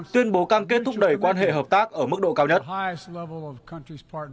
tuyên bố cam kết thúc đẩy quan hệ hợp tác ở mức độ cao nhất